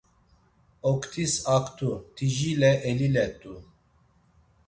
Oktis aktu, tijile elilet̆u.